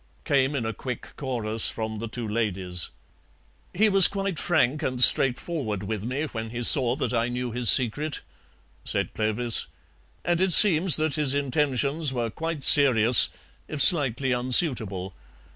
came in a quick chorus from the two ladies. "He was quite frank and straightforward with me when he saw that I knew his secret," said Clovis, "and it seems that his intentions were quite serious, if slightly unsuitable.